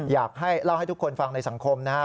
อยากให้เล่าให้ทุกคนฟังในสังคมนะครับ